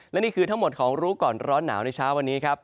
และนี่คือทั้งหมดของรู้ก่อนร้อนหนาวในเช้าวันนี้ครับ